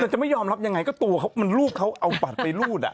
จะไม่ยอมรับยังไงก็ตัวเขามันรูปเขาเอาบัตรไปรูดอ่ะ